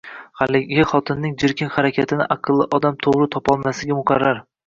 Haligi xotining chirkin harakatini aqlli odam to'g'ri topmasligi muqarrar.